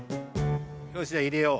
よしじゃあ入れよう。